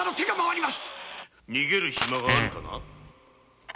・逃げる暇があるかな？